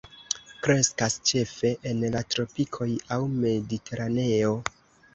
Kreskas ĉefe en la tropikoj aŭ mediteraneo.